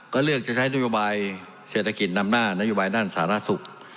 ก็เลือกจะใช้นัยยุบัยเศรษฐกิจนำหน้านัยยุบัยนั่นศาลาศุกร์